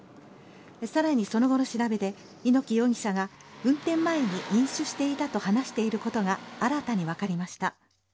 さらにその後の調べで猪木容疑者が運転前に飲酒していたと話していることが新たに分かりました。